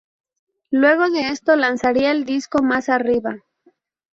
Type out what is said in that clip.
Luego de esto lanzaría el disco "Más arriba".